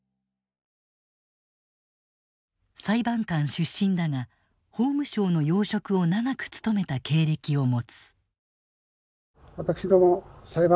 裁判官出身だが法務省の要職を長く務めた経歴を持つ。